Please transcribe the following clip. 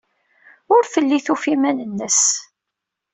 Ur telli tufa iman-nnes.